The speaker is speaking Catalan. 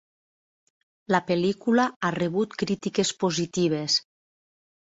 La pel·lícula ha rebut crítiques positives.